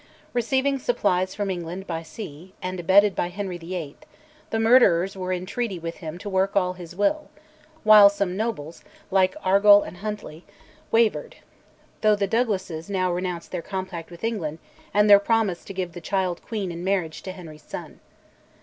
Receiving supplies from England by sea, and abetted by Henry VIII., the murderers were in treaty with him to work all his will, while some nobles, like Argyll and Huntly, wavered; though the Douglases now renounced their compact with England, and their promise to give the child queen in marriage to Henry's son.